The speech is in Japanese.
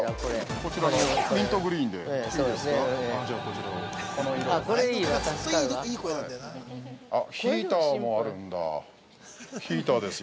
◆こちらのミントグリーンでいいですか。